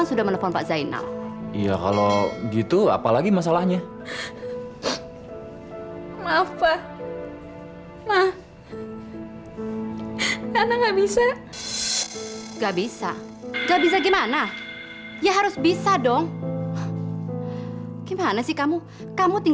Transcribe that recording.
saya tidak akan berubah pikiran